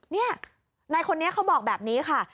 นี่นายคนนี้เขาบอกแบบนี้ค่ะ